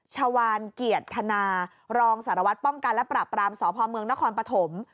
ชาวานเกียรติธนารองสารวัตรป้องกันและปราบรามสพเมืองนครปฐม